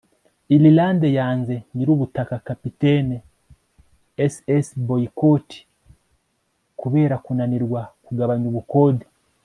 Irlande yanze nyirubutaka Kapiteni CC Boycott kubera kunanirwa kugabanya ubukode